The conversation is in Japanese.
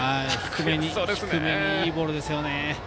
低めにいいボールでしたね。